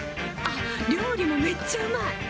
あっ料理もめっちゃうまい！